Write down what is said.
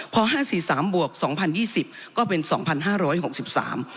พอห้าสี่สามบวกสองพันยี่สิบก็เป็นสองพันห้าร้อยหกสิบสาม